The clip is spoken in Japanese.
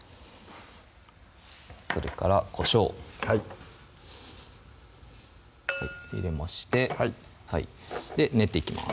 それからこしょうはい入れましてはい練っていきます